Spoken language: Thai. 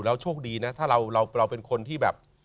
โชคดีนะถ้าเราเป็นคนที่แบบ